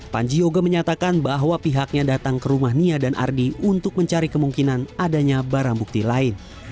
panji yoga menyatakan bahwa pihaknya datang ke rumah nia dan ardi untuk mencari kemungkinan adanya barang bukti lain